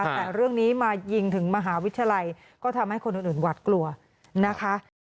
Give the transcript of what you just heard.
แต่เรื่องนี้มายิงถึงมหาวิทยาลัยก็ทำให้คนอื่นหวัดกลัวนะคะ